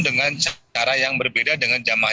dengan cara yang berbeda dengan jamaah